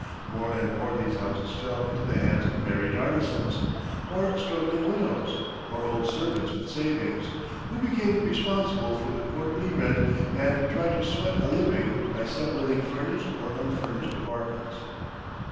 More and more these houses fell into the hands of married artisans, or struggling widows or old servants with savings, who became responsible for the quarterly rent and tried to sweat a living by sub letting furnished or unfurnished apartments.